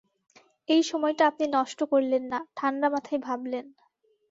এই সময়টা আপনি নষ্ট করলেন না, ঠাণ্ডা মাথায় ভাবলেন।